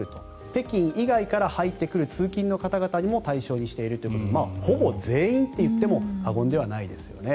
北京以外から入ってくる通勤の方々も対象にしているのでほぼ全員といっても過言ではないですよね。